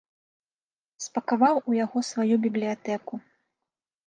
Спакаваў у яго сваю бібліятэку.